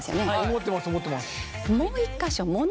思ってます思ってます。